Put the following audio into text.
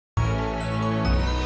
sampai jumpa di video selanjutnya